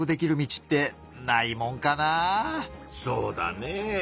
そうだねぇ。